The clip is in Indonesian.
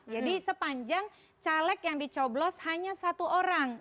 jadi sepanjang caleg yang dicoblos hanya satu orang